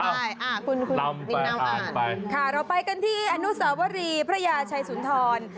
ใช่คุณนิวนาวอ่านไปค่ะเราไปกันที่อนุสาวรีพระยาชัยสุนทร